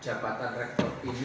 jabatan rektor ini